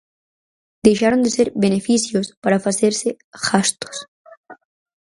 Deixaron de ser "beneficios" para facerse "gastos".